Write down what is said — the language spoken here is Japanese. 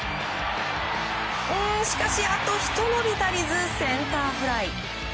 しかし、あとひと伸び足りずセンターフライ。